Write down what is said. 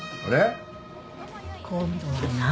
今度は何？